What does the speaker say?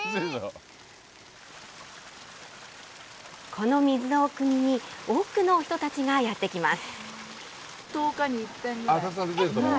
この水を汲みに、多くの人たちがやって来ます。